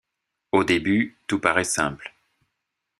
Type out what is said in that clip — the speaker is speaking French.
Au début, tout paraît simple.